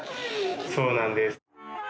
そうなんです。